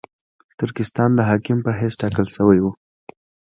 ترکستان د حاکم په حیث ټاکل شوی وو.